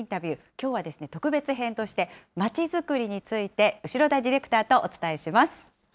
きょうは特別編として、まちづくりについて後田ディレクターとお伝えします。